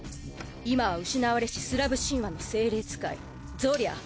今は失われしスラヴ神話の精霊使いゾリャー。